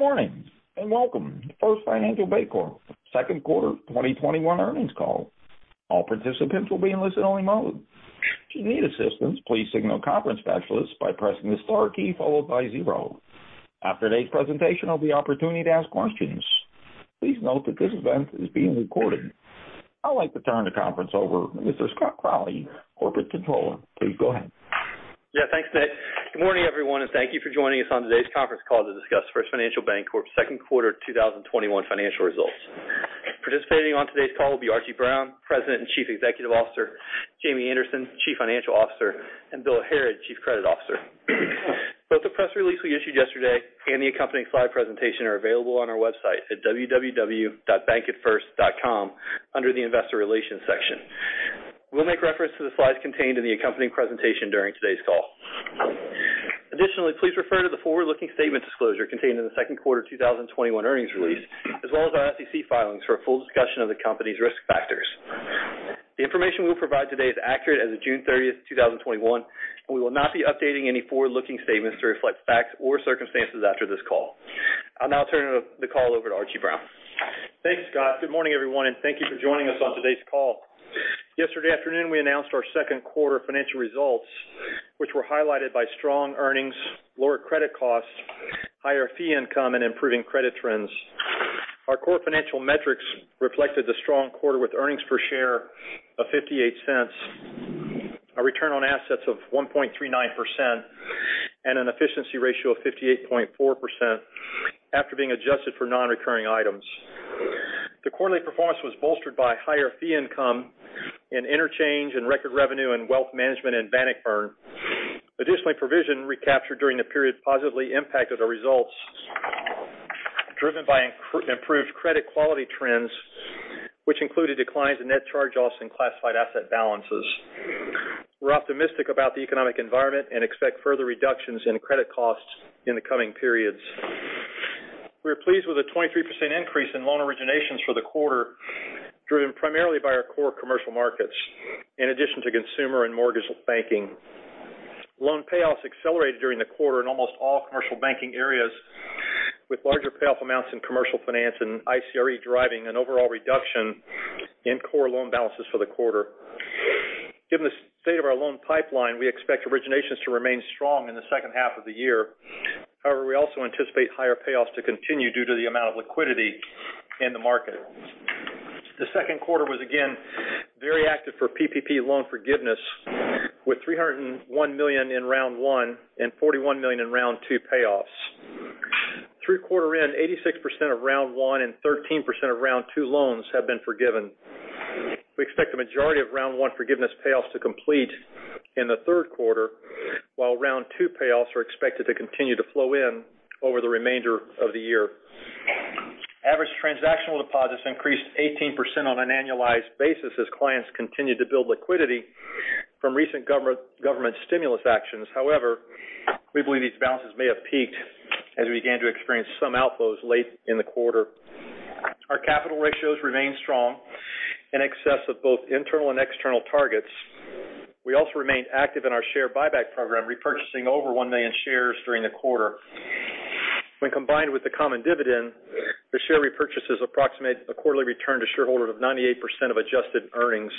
Good morning. Welcome to First Financial Bancorp second quarter 2021 earnings call. All participants will be on listen only mode. If you need assistance, please signal conference specialist by pressing the star key followed by zero. After today's presentation, there will be opportunity to ask questions. Please note that this event is being recorded. I'd like to turn the conference over to Mr. Scott Crawley, Corporate Controller. Please go ahead. Yeah, thanks, Nick. Good morning, everyone, and thank you for joining us on today's conference call to discuss First Financial Bancorp.'s second quarter 2021 financial results. Participating on today's call will be Archie Brown, President and Chief Executive Officer, Jamie Anderson, Chief Financial Officer, and Bill Harrod, Chief Credit Officer. Both the press release we issued yesterday and the accompanying slide presentation are available on our website at www.bankatfirst.com under the investor relations section. We'll make reference to the slides contained in the accompanying presentation during today's call. Additionally, please refer to the forward-looking statement disclosure contained in the second quarter of 2021 earnings release, as well as our SEC filings, for a full discussion of the company's risk factors. The information we'll provide today is accurate as of June 30th, 2021, and we will not be updating any forward-looking statements to reflect facts or circumstances after this call. I'll now turn the call over to Archie Brown. Thanks, Scott. Good morning, everyone, and thank you for joining us on today's call. Yesterday afternoon, we announced our second quarter financial results, which were highlighted by strong earnings, lower credit costs, higher fee income, and improving credit trends. Our core financial metrics reflected the strong quarter, with earnings per share of $0.58, a return on assets of 1.39%, and an efficiency ratio of 58.4% after being adjusted for non-recurring items. The quarterly performance was bolstered by higher fee income in interchange and record revenue in Wealth Management and Bannockburn. Provision recapture during the period positively impacted our results, driven by improved credit quality trends, which included declines in net charge-offs and classified asset balances. We're optimistic about the economic environment and expect further reductions in credit costs in the coming periods. We are pleased with the 23% increase in loan originations for the quarter, driven primarily by our core commercial markets, in addition to consumer and mortgage banking. Loan payoffs accelerated during the quarter in almost all commercial banking areas, with larger payoff amounts in Commercial Finance and ICRE driving an overall reduction in core loan balances for the quarter. Given the state of our loan pipeline, we expect originations to remain strong in the second half of the year. However, we also anticipate higher payoffs to continue due to the amount of liquidity in the market. The second quarter was again very active for PPP loan forgiveness, with $301 million in round one and $41 million in round two payoffs. Through quarter end, 86% of round one and 13% of round two loans have been forgiven. We expect the majority of round one forgiveness payoffs to complete in the third quarter, while round two payoffs are expected to continue to flow in over the remainder of the year. Average transactional deposits increased 18% on an annualized basis as clients continued to build liquidity from recent government stimulus actions. We believe these balances may have peaked as we began to experience some outflows late in the quarter. Our capital ratios remain strong, in excess of both internal and external targets. We also remain active in our share buyback program, repurchasing over one million shares during the quarter. When combined with the common dividend, the share repurchases approximate a quarterly return to shareholders of 98% of adjusted earnings.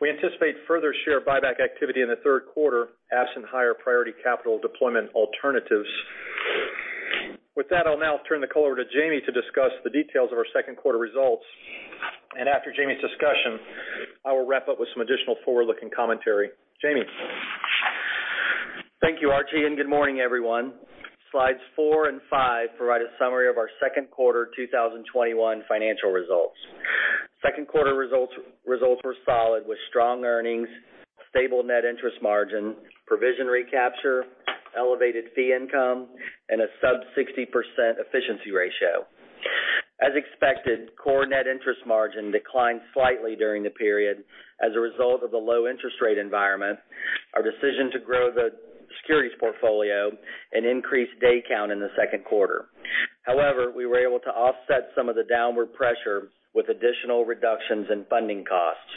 We anticipate further share buyback activity in the third quarter, absent higher priority capital deployment alternatives. With that, I'll now turn the call over to Jamie to discuss the details of our second quarter results, and after Jamie's discussion, I will wrap up with some additional forward-looking commentary. Jamie? Thank you, Archie. Good morning, everyone. Slides four and five provide a summary of our second quarter 2021 financial results. Second quarter results were solid, with strong earnings, stable net interest margin, provision recapture, elevated fee income, and a sub 60% efficiency ratio. As expected, core net interest margin declined slightly during the period as a result of the low interest rate environment, our decision to grow the securities portfolio, and increased day count in the second quarter. However, we were able to offset some of the downward pressure with additional reductions in funding costs.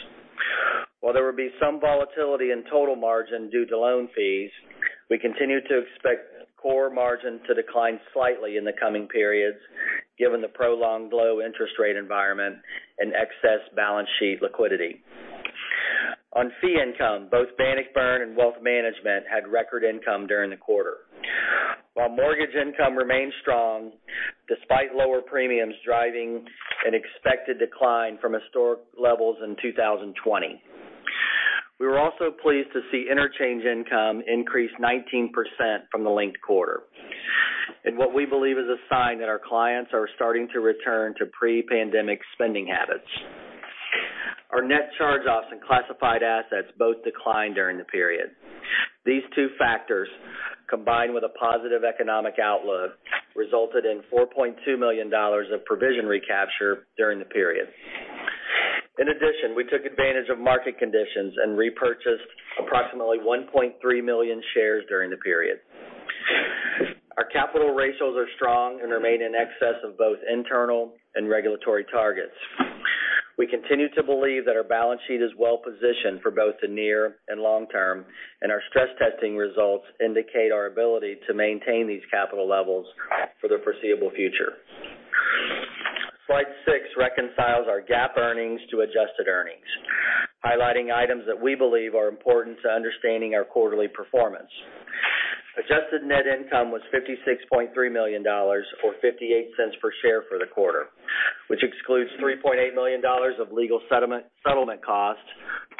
While there will be some volatility in total margin due to loan fees, we continue to expect core margin to decline slightly in the coming periods given the prolonged low interest rate environment and excess balance sheet liquidity. On fee income, both Bannockburn and Wealth Management had record income during the quarter, while mortgage income remained strong despite lower premiums driving an expected decline from historic levels in 2020. We were also pleased to see interchange income increase 19% from the linked quarter in what we believe is a sign that our clients are starting to return to pre-pandemic spending habits. Our net charge-offs and classified assets both declined during the period. These two factors, combined with a positive economic outlook, resulted in $4.2 million of provision recapture during the period. In addition, we took advantage of market conditions and repurchased approximately 1.3 million shares during the period. Our capital ratios are strong and remain in excess of both internal and regulatory targets. We continue to believe that our balance sheet is well-positioned for both the near and long term, and our stress testing results indicate our ability to maintain these capital levels for the foreseeable future. Slide six reconciles our GAAP earnings to adjusted earnings, highlighting items that we believe are important to understanding our quarterly performance. Adjusted net income was $56.3 million, or $0.58 per share for the quarter, which excludes $3.8 million of legal settlement costs,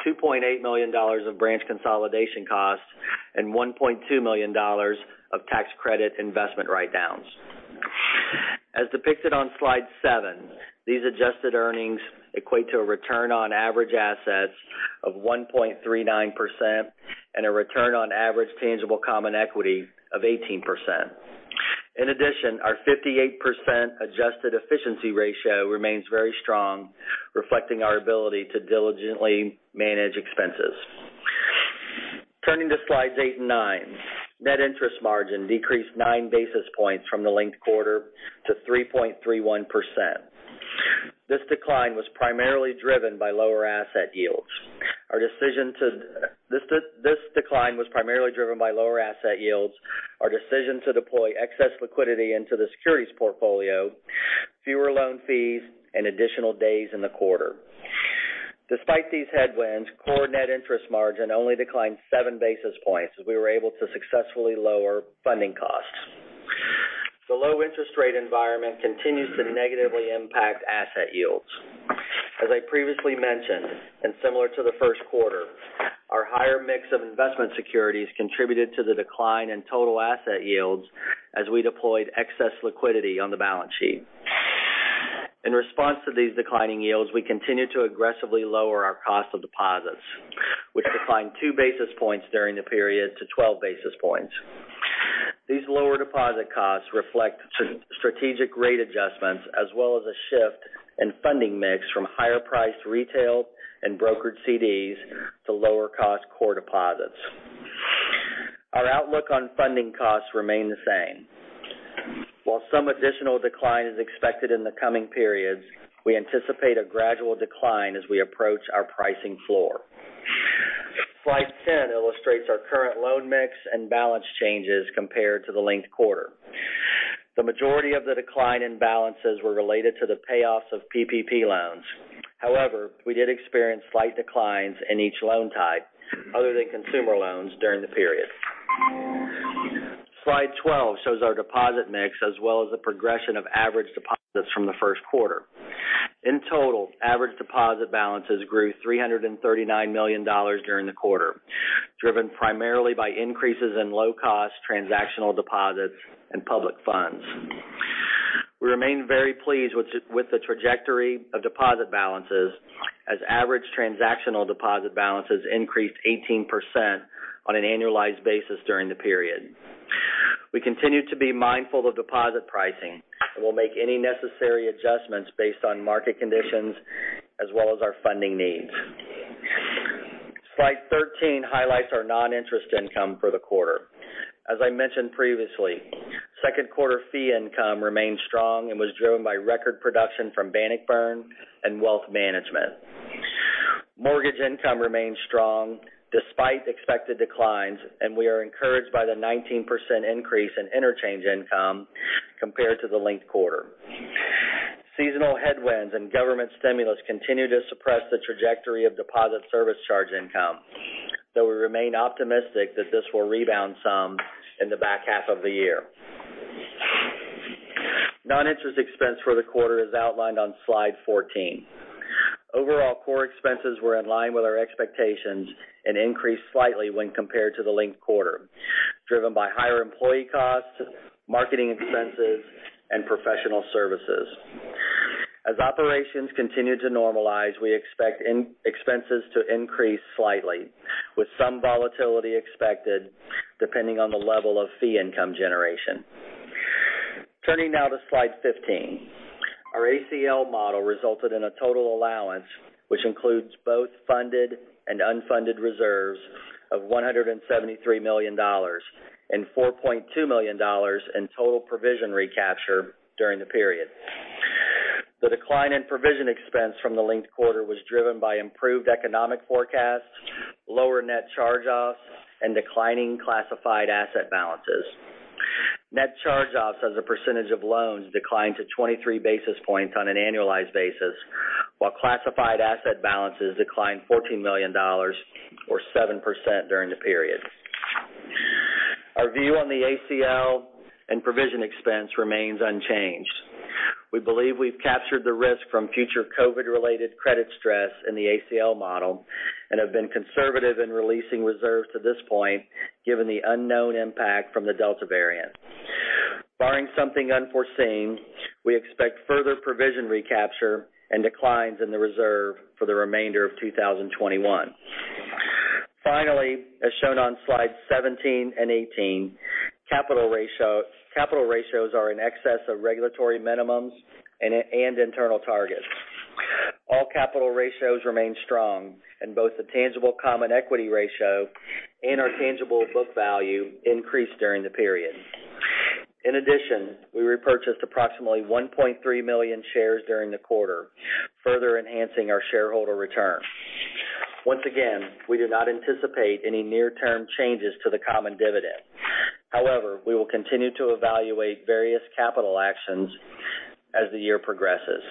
$2.8 million of branch consolidation costs, and $1.2 million of tax credit investment write-downs. As depicted on slide seven, these adjusted earnings equate to a return on average assets of 1.39% and a return on average tangible common equity of 18%. In addition, our 58% adjusted efficiency ratio remains very strong, reflecting our ability to diligently manage expenses. Turning to slides eight and nine, net interest margin decreased 9 basis points from the linked quarter to 3.31%. This decline was primarily driven by lower asset yields, our decision to deploy excess liquidity into the securities portfolio, fewer loan fees, and additional days in the quarter. Despite these headwinds, core net interest margin only declined 7 basis points, as we were able to successfully lower funding costs. The low interest rate environment continues to negatively impact asset yields. As I previously mentioned, and similar to the first quarter, our higher mix of investment securities contributed to the decline in total asset yields as we deployed excess liquidity on the balance sheet. In response to these declining yields, we continue to aggressively lower our cost of deposits, which declined 2 basis points during the period to 12 basis points. These lower deposit costs reflect strategic rate adjustments as well as a shift in funding mix from higher priced retail and brokered CDs to lower cost core deposits. Our outlook on funding costs remain the same. While some additional decline is expected in the coming periods, we anticipate a gradual decline as we approach our pricing floor. Slide 10 illustrates our current loan mix and balance changes compared to the linked quarter. The majority of the decline in balances were related to the payoffs of PPP loans. However, we did experience slight declines in each loan type, other than consumer loans, during the period. Slide 12 shows our deposit mix, as well as the progression of average deposits from the first quarter. In total, average deposit balances grew $339 million during the quarter, driven primarily by increases in low-cost transactional deposits and public funds. We remain very pleased with the trajectory of deposit balances, as average transactional deposit balances increased 18% on an annualized basis during the period. We continue to be mindful of deposit pricing and will make any necessary adjustments based on market conditions as well as our funding needs. Slide 13 highlights our non-interest income for the quarter. As I mentioned previously, second quarter fee income remained strong and was driven by record production from Bannockburn and Wealth Management. Mortgage income remained strong despite expected declines, and we are encouraged by the 19% increase in interchange income compared to the linked quarter. Seasonal headwinds and government stimulus continue to suppress the trajectory of deposit service charge income, though we remain optimistic that this will rebound some in the back half of the year. Non-interest expense for the quarter is outlined on Slide 14. Overall, core expenses were in line with our expectations and increased slightly when compared to the linked quarter, driven by higher employee costs, marketing expenses, and professional services. As operations continue to normalize, we expect expenses to increase slightly, with some volatility expected depending on the level of fee income generation. Turning now to slide 15. Our ACL model resulted in a total allowance, which includes both funded and unfunded reserves of $173 million and $4.2 million in total provision recapture during the period. The decline in provision expense from the linked quarter was driven by improved economic forecasts, lower net charge-offs, and declining classified asset balances. Net charge-offs as a percentage of loans declined to 23 basis points on an annualized basis, while classified asset balances declined $14 million or 7% during the period. Our view on the ACL and provision expense remains unchanged. We believe we've captured the risk from future COVID-related credit stress in the ACL model and have been conservative in releasing reserves to this point, given the unknown impact from the Delta variant. Barring something unforeseen, we expect further provision recapture and declines in the reserve for the remainder of 2021. Finally, as shown on slides 17 and 18, capital ratios are in excess of regulatory minimums and internal targets. All capital ratios remain strong, and both the tangible common equity ratio and our tangible book value increased during the period. In addition, we repurchased approximately 1.3 million shares during the quarter, further enhancing our shareholder return. Once again, we do not anticipate any near-term changes to the common dividend. However, we will continue to evaluate various capital actions as the year progresses.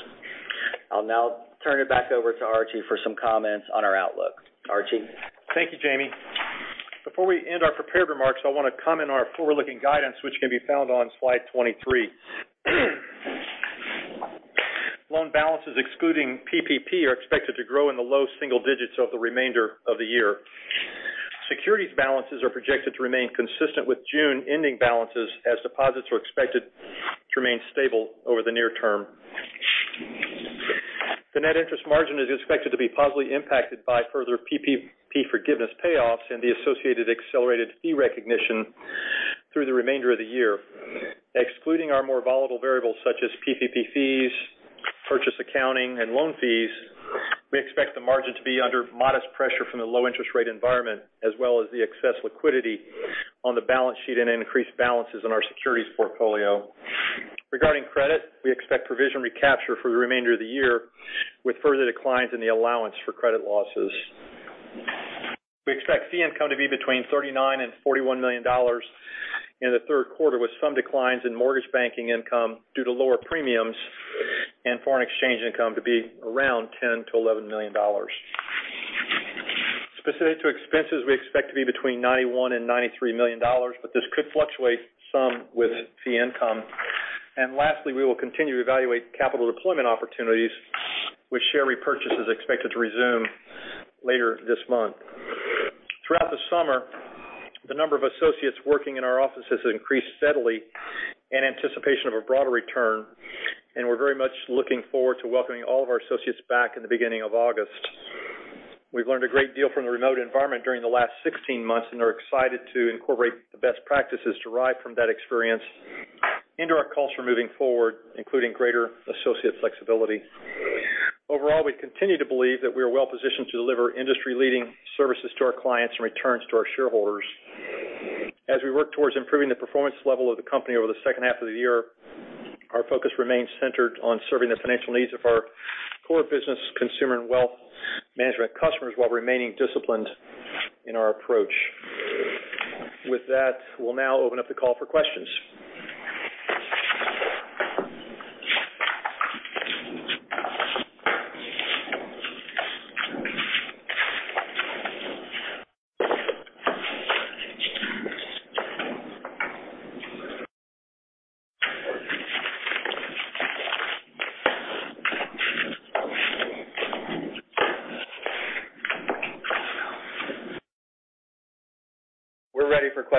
I'll now turn it back over to Archie for some comments on our outlook. Archie? Thank you, Jamie. Before we end our prepared remarks, I want to comment on our forward-looking guidance, which can be found on slide 23. Loan balances, excluding PPP, are expected to grow in the low single digits over the remainder of the year. Securities balances are projected to remain consistent with June ending balances, as deposits are expected to remain stable over the near term. The net interest margin is expected to be positively impacted by further PPP forgiveness payoffs and the associated accelerated fee recognition through the remainder of the year. Excluding our more volatile variables such as PPP fees, purchase accounting, and loan fees, we expect the margin to be under modest pressure from the low interest rate environment, as well as the excess liquidity on the balance sheet and increased balances in our securities portfolio. Regarding credit, we expect provision recapture for the remainder of the year, with further declines in the allowance for credit losses. We expect fee income to be between $39 million-$41 million in the third quarter, with some declines in mortgage banking income due to lower premiums and foreign exchange income to be around $10 million-$11 million. Specific to expenses, we expect to be between $91 million-$93 million. This could fluctuate some with fee income. Lastly, we will continue to evaluate capital deployment opportunities with share repurchases expected to resume later this month. Throughout the summer, the number of associates working in our offices increased steadily in anticipation of a broader return. We're very much looking forward to welcoming all of our associates back in the beginning of August. We've learned a great deal from the remote environment during the last 16 months and are excited to incorporate the best practices derived from that experience into our culture moving forward, including greater associate flexibility. Overall, we continue to believe that we are well-positioned to deliver industry-leading services to our clients and returns to our shareholders. As we work towards improving the performance level of the company over the second half of the year, our focus remains centered on serving the financial needs of our core business consumer and wealth management customers while remaining disciplined in our approach. With that, we'll now open up the call for questions.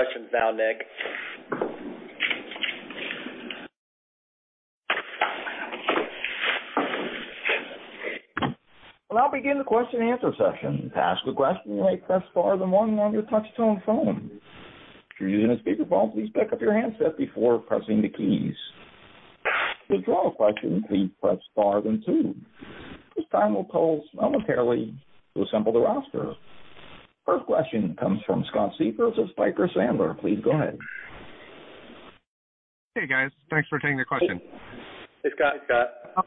We're ready for questions now, Nick. We'll now begin the question and answer session. To ask a question you may press star one one on your touchtone phone. If you want to speak, please pick up your handset before pressing the keys. To withdraw a question, please press star then two. [This will call simultaneously] we'll assemble the roster. First question comes from Scott Siefers of Piper Sandler. Please go ahead. Hey, guys. Thanks for taking the question. Hey, Scott. Hey.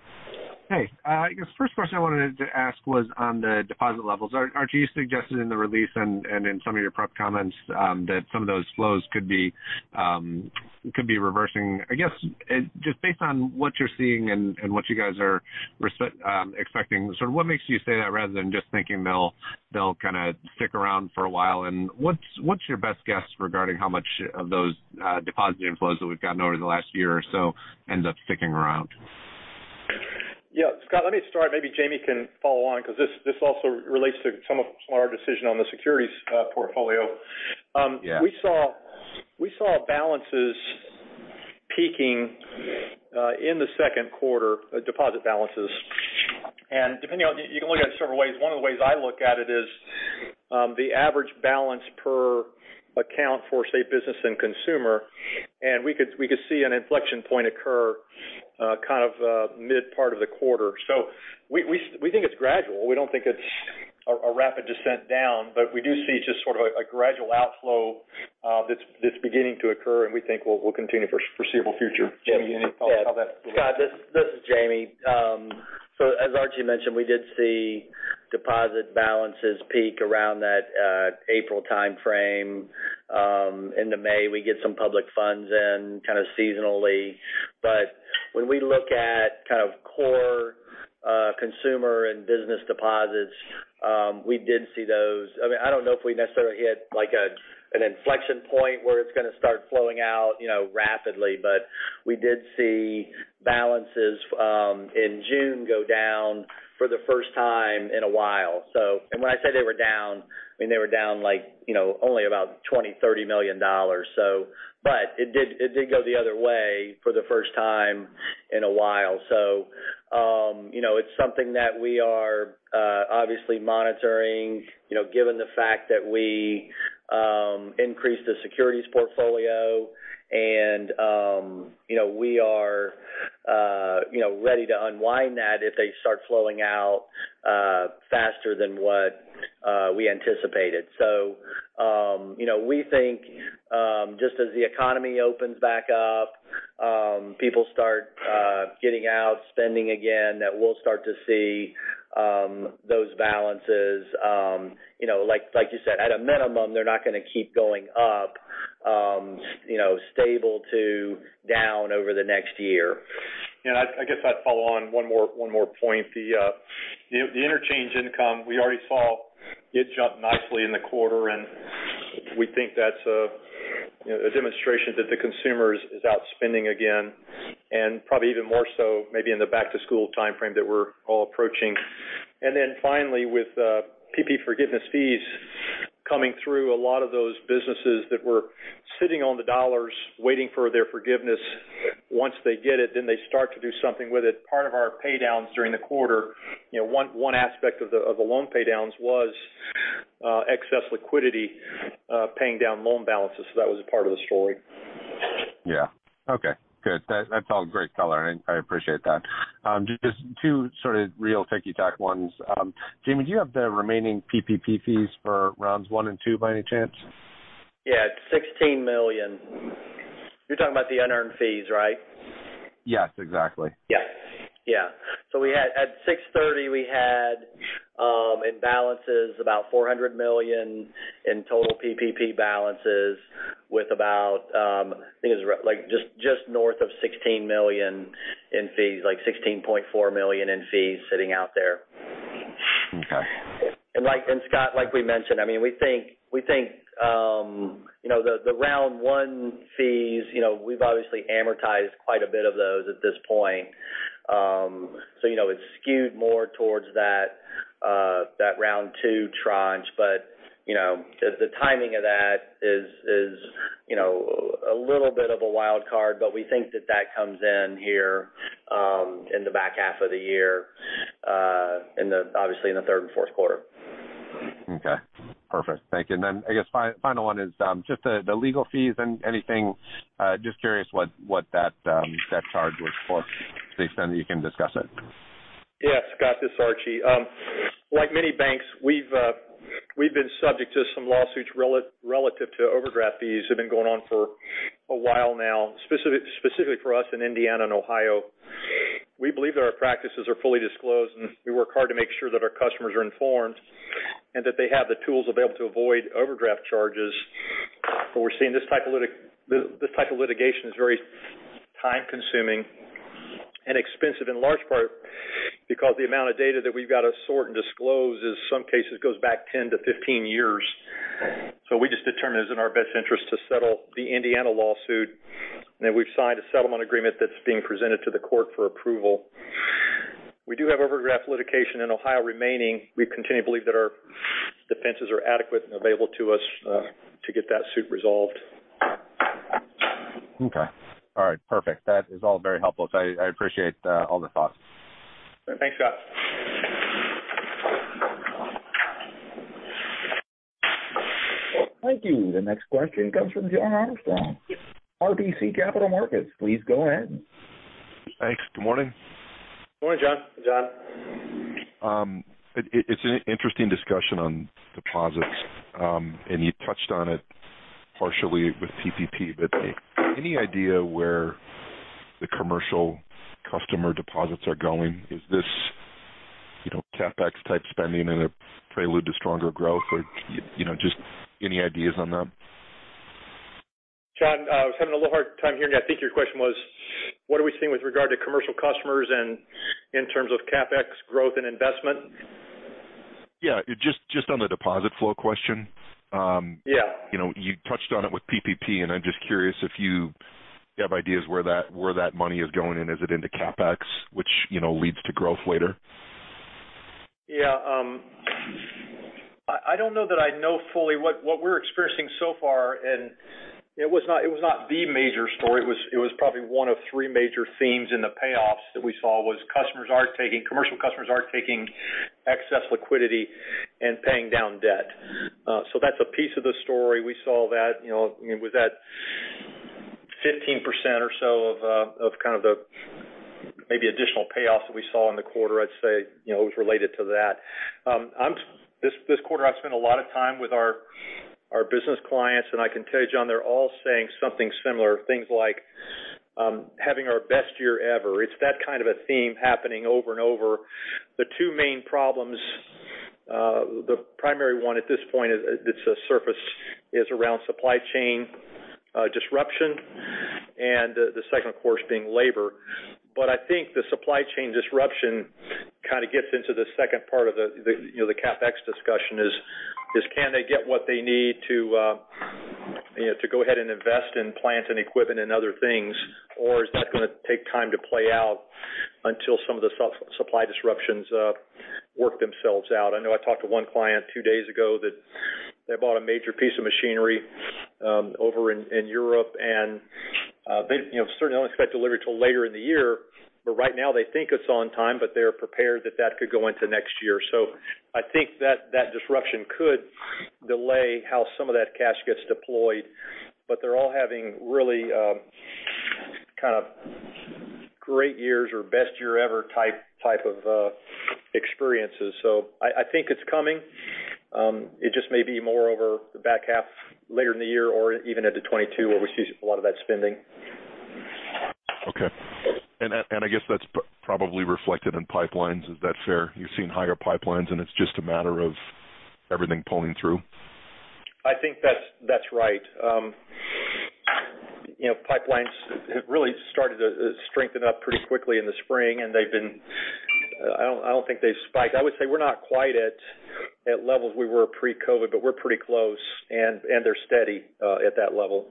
I guess first question I wanted to ask was on the deposit levels. Archie, you suggested in the release and in some of your prep comments that some of those flows could be reversing. I guess, just based on what you're seeing and what you guys are expecting, what makes you say that rather than just thinking they'll kind of stick around for a while? What's your best guess regarding how much of those deposit inflows that we've gotten over the last year or so end up sticking around? Yeah. Scott, let me start. Maybe Jamie can follow on because this also relates to some of our decision on the securities portfolio. Yeah. We saw balances peaking in the second quarter, deposit balances. You can look at it several ways. One of the ways I look at it is the average balance per account for, say, business and consumer. We could see an inflection point occur kind of mid part of the quarter. We think it's gradual. We don't think it's a rapid descent down. We do see just sort of a gradual outflow that's beginning to occur, and we think will continue for foreseeable future. Jamie, any thoughts how that? Yeah. Scott, this is Jamie. As Archie mentioned, we did see deposit balances peak around that April timeframe. Into May, we get some public funds in kind of seasonally. When we look at kind of core consumer and business deposits, I don't know if we necessarily hit like an inflection point where it's going to start flowing out rapidly. We did see balances in June go down for the first time in a while. When I say they were down, I mean, they were down like only about $20 million, $30 million. It did go the other way for the first time in a while. It's something that we are obviously monitoring given the fact that we increased the securities portfolio and we are ready to unwind that if they start flowing out faster than what we anticipated. We think just as the economy opens back up, people start getting out, spending again, that we'll start to see those balances. Like you said, at a minimum, they're not going to keep going up, stable to down over the next year. I guess I'd follow on one more point. The interchange income, we already saw it jump nicely in the quarter, and we think that's a demonstration that the consumer is out spending again. Probably even more so maybe in the back-to-school timeframe that we're all approaching. Finally, with PPP forgiveness fees coming through, a lot of those businesses that were sitting on the dollars waiting for their forgiveness, once they get it, then they start to do something with it. Part of our pay downs during the quarter, one aspect of the loan pay downs was excess liquidity paying down loan balances. That was a part of the story. Yeah. Okay. Good. That's all great color, and I appreciate that. Just two sort of real ticky-tack ones. Jamie, do you have the remaining PPP fees for rounds 1 and 2 by any chance? Yeah. It's $16 million. You're talking about the unearned fees, right? Yes, exactly. At 6/30, we had in balances about $400 million in total PPP balances with about, I think it was just north of $16 million in fees, like $16.4 million in fees sitting out there. Okay. Scott, like we mentioned, we think the Round 1 fees, we've obviously amortized quite a bit of those at this point. It's skewed more towards that Round 2 tranche. The timing of that is a little bit of a wild card, but we think that that comes in here in the back half of the year, obviously in the third and fourth quarter. Okay. Perfect. Thank you. I guess final one is just the legal fees and anything, just curious what that charge was for to the extent that you can discuss it? Scott, this is Archie. Like many banks, we've been subject to some lawsuits relative to overdraft fees that have been going on for a while now, specifically for us in Indiana and Ohio. We believe that our practices are fully disclosed, and we work hard to make sure that our customers are informed and that they have the tools available to avoid overdraft charges. We're seeing this type of litigation is very time-consuming and expensive in large part because the amount of data that we've got to sort and disclose in some cases goes back 10-15 years. We just determined it was in our best interest to settle the Indiana lawsuit, and we've signed a settlement agreement that's being presented to the court for approval. We do have overdraft litigation in Ohio remaining. We continue to believe that our defenses are adequate and available to us to get that suit resolved. Okay. All right. Perfect. That is all very helpful. I appreciate all the thoughts. Thanks, Scott. Thank you. The next question comes from Jon Arfstrom, RBC Capital Markets. Please go ahead. Thanks. Good morning. Good morning, Jon. Jon. It's an interesting discussion on deposits. You touched on it partially with PPP, but any idea where the commercial customer deposits are going? Is this CapEx type spending in a prelude to stronger growth? Just any ideas on that? Jon, I was having a little hard time hearing you. I think your question was, what are we seeing with regard to commercial customers and in terms of CapEx growth and investment? Yeah. Just on the deposit flow question. Yeah. You touched on it with PPP, and I'm just curious if you have ideas where that money is going. Is it into CapEx, which leads to growth later? Yeah. I don't know that I know fully. What we're experiencing so far, and it was not the major story, it was probably one of three major themes in the payoffs that we saw was commercial customers are taking excess liquidity and paying down debt. That's a piece of the story. We saw that with that 15% or so of kind of the maybe additional payoffs that we saw in the quarter, I'd say it was related to that. This quarter, I've spent a lot of time with our business clients, and I can tell you, Jon, they're all saying something similar. Things like, "Having our best year ever." It's that kind of a theme happening over and over. The two main problems, the primary one at this point that's surfaced is around supply chain disruption and the second, of course, being labor. I think the supply chain disruption kind of gets into the second part of the CapEx discussion is, can they get what they need to go ahead and invest in plant and equipment and other things, or is that going to take time to play out until some of the supply disruptions work themselves out? I know I talked to one client two days ago that they bought a major piece of machinery over in Europe, and they certainly don't expect delivery till later in the year. Right now, they think it's on time, but they're prepared that that could go into next year. I think that disruption could delay how some of that cash gets deployed. They're all having really kind of great years or best year ever type of experiences. I think it's coming. It just may be more over the back half later in the year or even into 2022 where we see a lot of that spending. Okay. I guess that's probably reflected in pipelines. Is that fair? You're seeing higher pipelines and it's just a matter of everything pulling through. I think that's right. Pipelines have really started to strengthen up pretty quickly in the spring, and I don't think they've spiked. I would say we're not quite at levels we were pre-COVID, but we're pretty close, and they're steady at that level.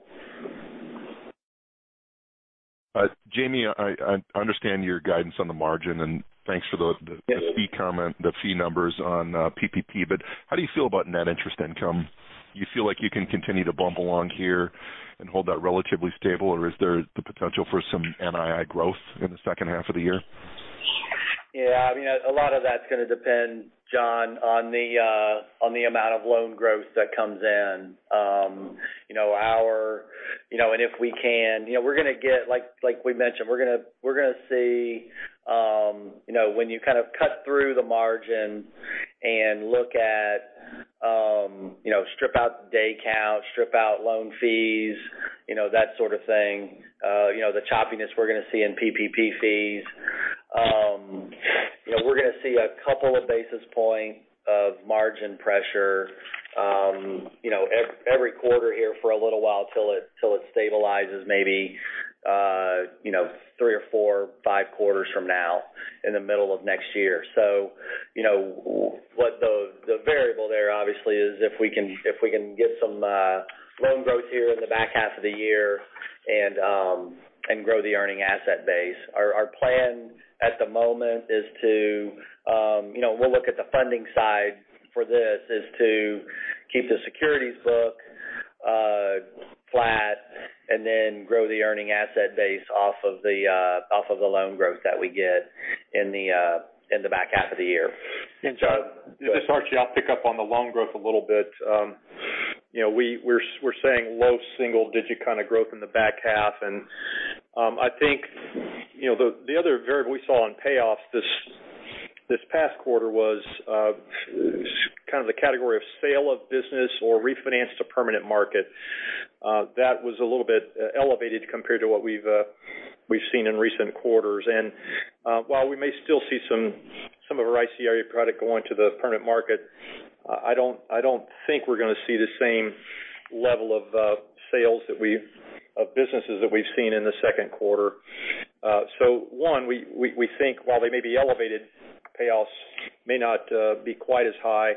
Jamie, I understand your guidance on the margin, and thanks for the. Yes. Fee comment, the fee numbers on PPP, How do you feel about net interest income? You feel like you can continue to bump along here and hold that relatively stable, or is there the potential for some NII growth in the second half of the year? Yeah. A lot of that's going to depend, Jon, on the amount of loan growth that comes in. Like we mentioned, we're going to see when you kind of cut through the margin and strip out day count, strip out loan fees, that sort of thing, the choppiness we're going to see in PPP fees. We're going to see a couple of basis points of margin pressure every quarter here for a little while till it stabilizes maybe three or four, five quarters from now in the middle of next year. The variable there obviously is if we can get some loan growth here in the back half of the year and grow the earning asset base. Our plan at the moment, we'll look at the funding side for this, is to keep the securities book flat and then grow the earning asset base off of the loan growth that we get in the back half of the year. Jon, this is Archie. I'll pick up on the loan growth a little bit. We're saying low single-digit kind of growth in the back half. I think the other variable we saw on payoffs this past quarter was kind of the category of sale of business or refinance to permanent market. That was a little bit elevated compared to what we've seen in recent quarters. While we may still see some of our ICRE product go into the permanent market, I don't think we're going to see the same level of sales of businesses that we've seen in the second quarter. One, we think while they may be elevated, payoffs may not be quite as high.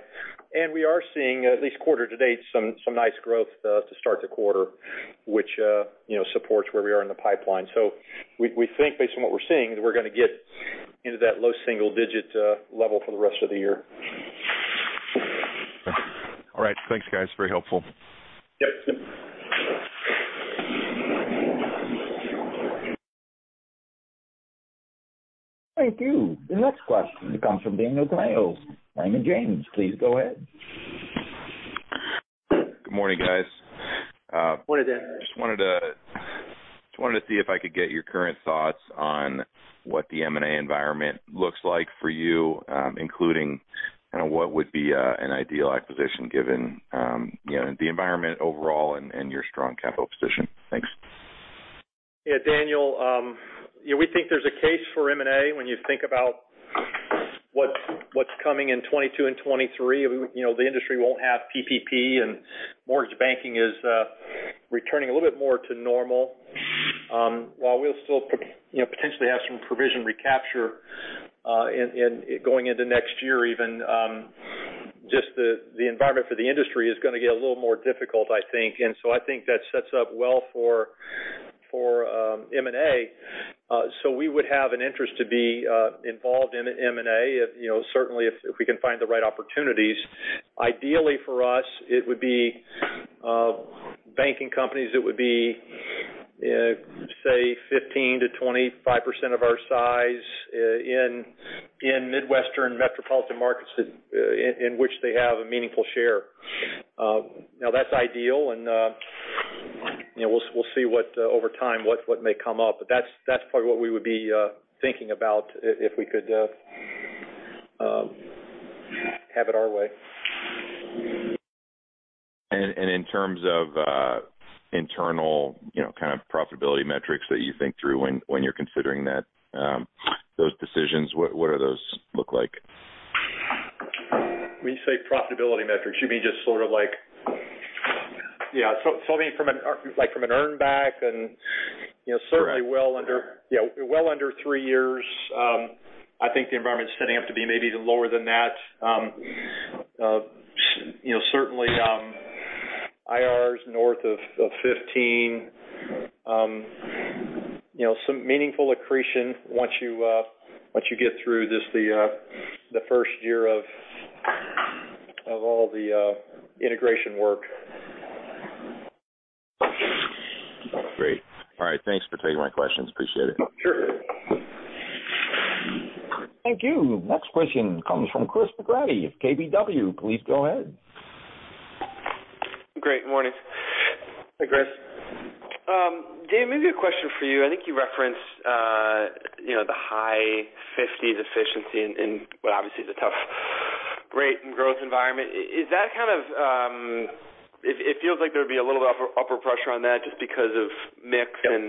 We are seeing, at least quarter to date, some nice growth to start the quarter which supports where we are in the pipeline. We think based on what we're seeing, that we're going to get into that low single digit level for the rest of the year. All right. Thanks, guys. Very helpful. Yep. Thank you. The next question comes from Daniel Tamayo, Raymond James. Please go ahead. Good morning, guys. Morning, Dan. Wanted to see if I could get your current thoughts on what the M&A environment looks like for you, including kind of what would be an ideal acquisition given the environment overall and your strong capital position. Thanks. Yeah, Daniel. We think there's a case for M&A when you think about what's coming in 2022 and 2023. The industry won't have PPP, and mortgage banking is returning a little bit more to normal. While we'll still potentially have some provision recapture going into next year even, just the environment for the industry is going to get a little more difficult, I think. I think that sets up well for M&A. We would have an interest to be involved in M&A certainly if we can find the right opportunities. Ideally, for us, it would be banking companies that would be say 15%-25% of our size in Midwestern metropolitan markets in which they have a meaningful share. Now that's ideal and we'll see over time what may come up. That's probably what we would be thinking about if we could have it our way. In terms of internal kind of profitability metrics that you think through when you're considering those decisions, what do those look like? When you say profitability metrics, you mean just sort of? Yeah. Something from an earn back. Correct. certainly well under three years. I think the environment's setting up to be maybe even lower than that. Certainly, IRRs north of 15. Some meaningful accretion once you get through just the first year of all the integration work. Great. All right. Thanks for taking my questions. Appreciate it. Sure. Thank you. Next question comes from Chris McGratty of KBW. Please go ahead. Great. Morning. Hey, Chris. Jamie, maybe a question for you. I think you referenced the high 50s efficiency in what obviously is a tough rate and growth environment. It feels like there would be a little upper pressure on that just because of mix and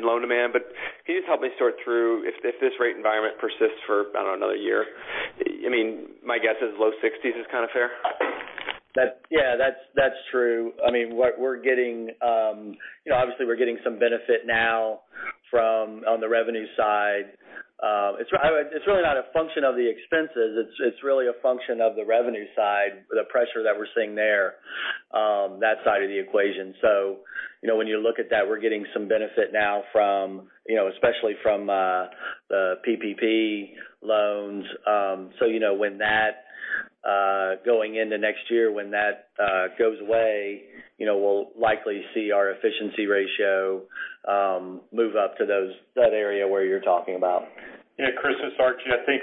loan demand. Can you just help me sort through if this rate environment persists for, I don't know, another year? My guess is low 60s is kind of fair. Yeah, that's true. Obviously we're getting some benefit now on the revenue side. It's really not a function of the expenses. It's really a function of the revenue side, the pressure that we're seeing there, that side of the equation. When you look at that, we're getting some benefit now especially from the PPP loans. Going into next year, when that goes away, we'll likely see our efficiency ratio move up to that area where you're talking about. Chris, it's Archie. I think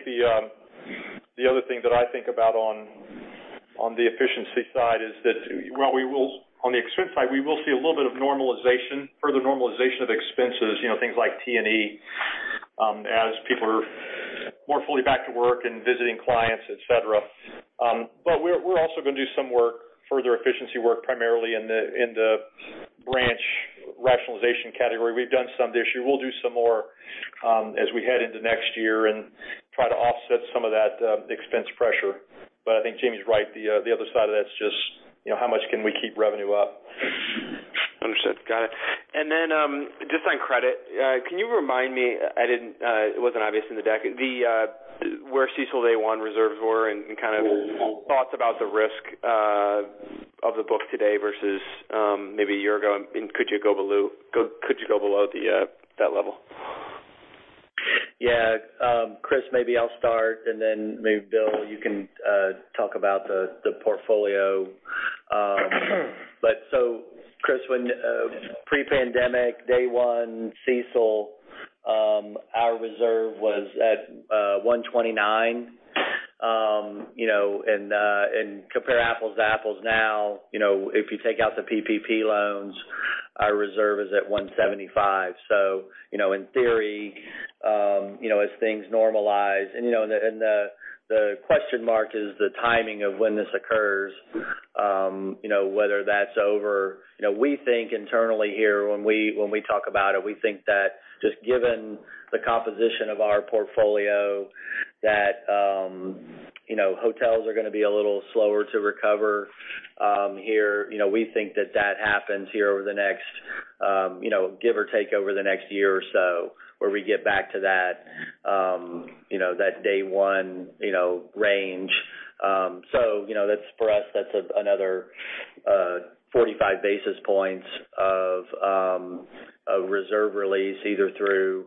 the other thing that I think about on the efficiency side is that on the expense side, we will see a little bit of further normalization of expenses, things like T&E as people are more fully back to work and visiting clients, et cetera. But we're also going to do some further efficiency work, primarily in the branch rationalization category. We've done some this year. We'll do some more as we head into next year and try to offset some of that expense pressure. But I think Jamie's right. The other side of that's just how much can we keep revenue up. Understood. Got it. Just on credit, can you remind me, it wasn't obvious in the deck, where CECL day one reserves were and kind of thoughts about the risk of the book today versus maybe a year ago, and could you go below that level? Chris McGratty, maybe I'll start and then maybe Bill Harrod, you can talk about the portfolio. Chris, pre-pandemic Day 1 CECL, our reserve was at 1.29%. Compare apples to apples now, if you take out the PPP loans, our reserve is at 1.75%. In theory as things normalize, and the question mark is the timing of when this occurs, whether that's over. We think internally here when we talk about it, we think that just given the composition of our portfolio, that hotels are going to be a little slower to recover here. We think that that happens here give or take over the next year or so where we get back to that Day 1 range. For us, that's another 45 basis points of reserve release either through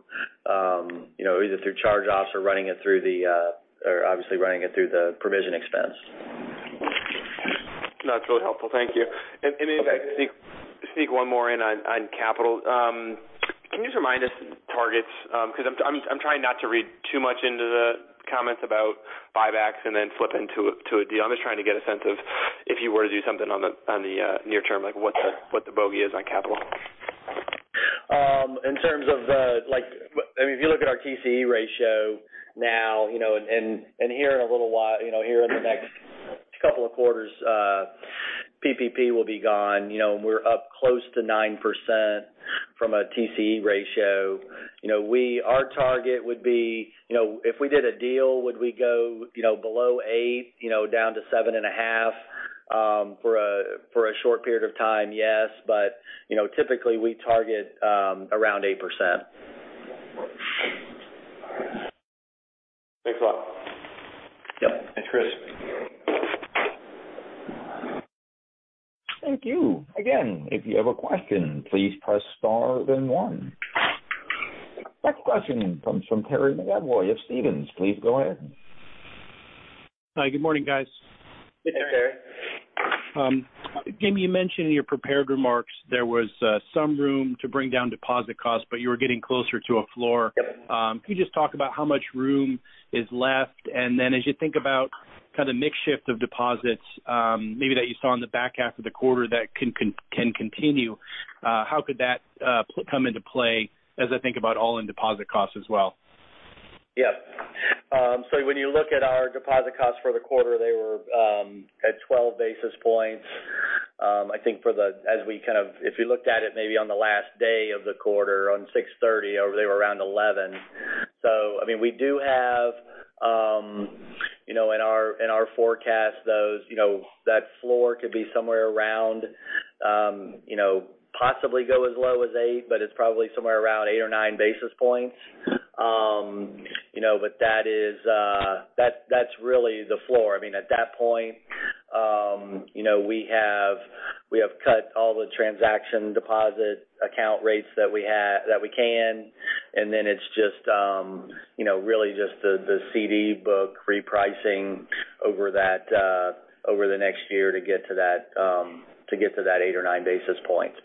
charge-offs or obviously running it through the provision expense. No, that's really helpful. Thank you. If I can sneak one more in on capital. Can you just remind us targets? I'm trying not to read too much into the comments about buybacks and then flip into a deal. I'm just trying to get a sense of if you were to do something on the near term, what the bogey is on capital. If you look at our TCE ratio now and here in the next couple of quarters, PPP will be gone. We're up close to 9% from a TCE ratio. Our target would be if we did a deal, would we go below eight, down to 7.5 for a short period of time? Yes. Typically we target around 8%. Thanks a lot. Yep. Thanks, Chris. Thank you. Again, if you have a question, please press star then one. Next question comes from Terry McEvoy of Stephens. Please go ahead. Hi. Good morning, guys. Good day, Terry. Jamie, you mentioned in your prepared remarks there was some room to bring down deposit costs, but you were getting closer to a floor. Yep. Can you just talk about how much room is left? As you think about kind of mix shift of deposits maybe that you saw in the back half of the quarter that can continue, how could that come into play as I think about all-in deposit costs as well? Yeah. When you look at our deposit costs for the quarter, they were at 12 basis points. If you looked at it maybe on the last day of the quarter on 6/30, they were around 11. We do have in our forecast that floor could be somewhere around possibly go as low as eight, but it's probably somewhere around eight or 9 basis points. That's really the floor. At that point we have cut all the transaction deposit account rates that we can, and then it's really just the CD book repricing over the next year to get to that eight or 9 basis points.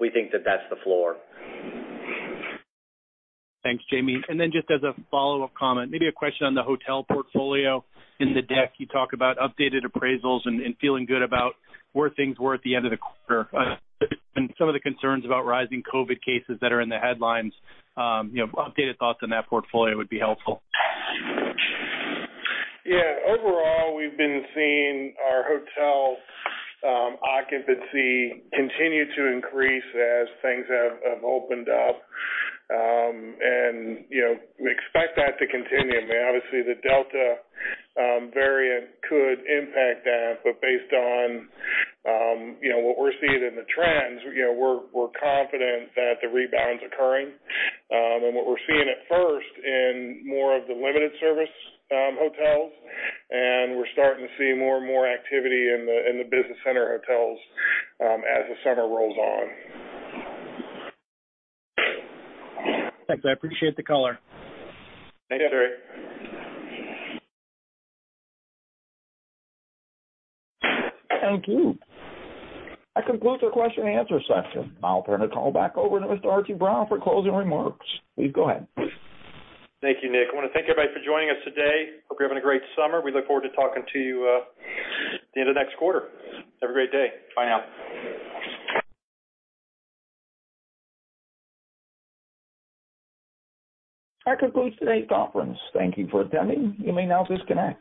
We think that that's the floor. Thanks, Jamie. Just as a follow-up comment, maybe a question on the hotel portfolio. In the deck you talk about updated appraisals and feeling good about where things were at the end of the quarter and some of the concerns about rising COVID cases that are in the headlines. Updated thoughts on that portfolio would be helpful. Yeah. Overall, we've been seeing our hotel occupancy continue to increase as things have opened up. We expect that to continue. Obviously the Delta variant could impact that. Based on what we're seeing in the trends, we're confident that the rebound's occurring. What we're seeing it first in more of the limited service hotels, and we're starting to see more and more activity in the business center hotels as the summer rolls on. Thanks. I appreciate the color. Thank you, Terry. Thank you. That concludes our question and answer session. I'll turn the call back over to Mr. Archie Brown for closing remarks. Please go ahead. Thank you, Nick. I want to thank everybody for joining us today. Hope you're having a great summer. We look forward to talking to you at the end of next quarter. Have a great day. Bye now. That concludes today's conference. Thank you for attending. You may now disconnect.